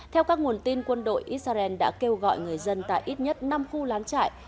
theo các nguồn tin quân đội israel đã kêu gọi người dân tại ít nhất năm khu lán trại